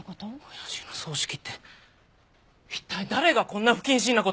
親父の葬式って一体誰がこんな不謹慎な事！